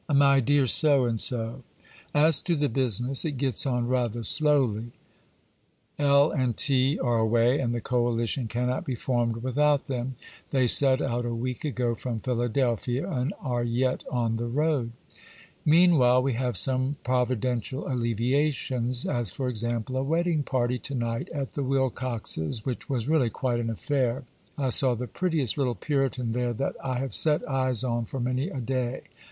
'MY DEAR ——, 'As to the business, it gets on rather slowly: L—— and T—— are away, and the coalition cannot be formed without them; they set out a week ago from Philadelphia, and are yet on the road. 'Meanwhile, we have some providential alleviations; as, for example, a wedding party to night at the Wilcox's, which was really quite an affair. I saw the prettiest little Puritan there that I have set eyes on for many a day.